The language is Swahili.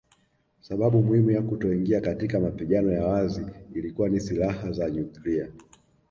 Sababu muhimu ya kutoingia katika mapigano ya wazi ilikuwa ni silaha za nyuklia